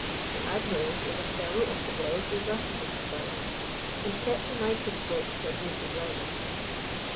The Admiral was a Fellow of the Royal Geographical Society, and kept a microscope to amuse his leisure.